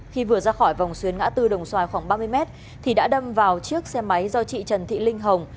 khi vừa ra khỏi vòng xuyến ngã tư đồng xoài khoảng ba mươi mét thì đã đâm vào chiếc xe máy do chị trần thị linh hồng